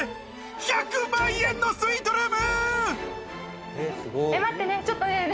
１００万円のスイートルーム！